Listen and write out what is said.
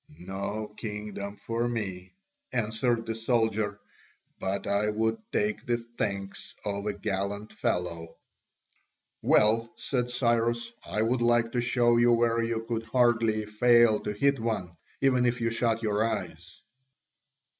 "No kingdom for me," answered the soldier, "but I would take the thanks of a gallant fellow." "Well," said Cyrus, "I would like to show you where you could hardly fail to hit one, even if you shut your eyes."